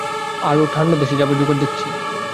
আরও ঠাণ্ডা দেশে যাবার যোগাড় দেখছি।